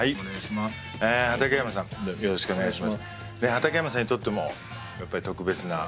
畠山さんにとってもやっぱり特別な大会ですね。